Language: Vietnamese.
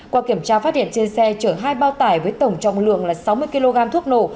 qua kiểm tra phát hiện trên xe chở hai bao tải với tổng trọng lượng là sáu mươi kg thuốc nổ